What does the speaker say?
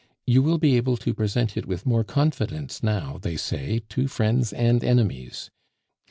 "You will be able to present it with more confidence now, they say, to friends and enemies.